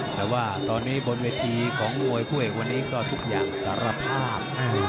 แต่ว่าตอนนี้บนเวทีของมวยคู่เอกวันนี้ก็ทุกอย่างสารภาพ